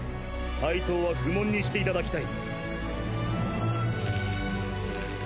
［「帯刀は不問にしていただきたい」］